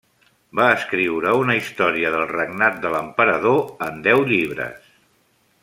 Va escriure una història del regnat de l'emperador en deu llibres.